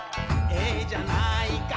「ええじゃないか」